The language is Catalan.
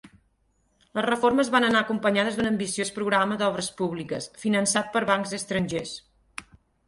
Les reformes van anar acompanyades d'un ambiciós programa d'obres públiques, finançat per bancs estrangers.